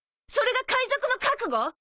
それが海賊の覚悟？